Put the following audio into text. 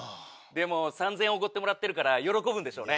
でも３０００円おごってもらってるから喜ぶんでしょうね。